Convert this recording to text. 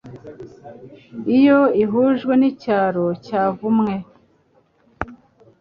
iyo ihujwe nicyaro cyavumwe